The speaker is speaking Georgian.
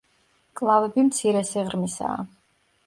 მკლავები მცირე სიღრმისაა.